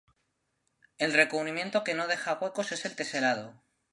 El recubrimiento que no deja huecos es el teselado.